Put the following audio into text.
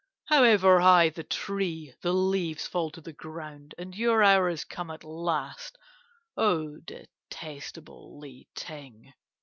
"'However high the tree, the leaves fall to the ground, and your hour has come at last, O detestable Li Ting!